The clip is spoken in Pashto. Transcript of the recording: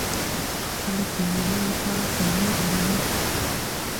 خلک د مېلو له پاره خیمې دروي.